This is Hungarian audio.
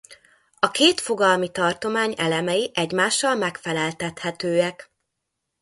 A két fogalmi tartomány elemei egymással megfeleltethetőek.